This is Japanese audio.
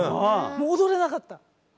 踊れなかった。